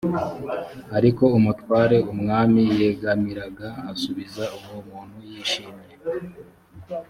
ariko umutware umwami yegamiraga asubiza uwo muntu yishimye